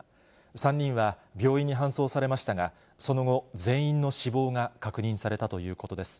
３人は病院に搬送されましたが、その後、全員の死亡が確認されたということです。